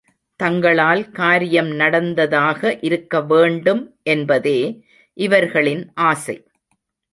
தங்களால் காரியம் நடந்ததாக இருக்கவேண்டும் என்பதே இவர்களின் ஆசை.